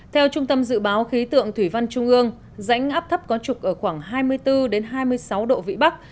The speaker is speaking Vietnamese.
theo trung tâm dự báo khí tượng thủy văn trung ương rãnh áp thấp có trục ở khoảng hai mươi bốn hai mươi sáu độ vĩ bắc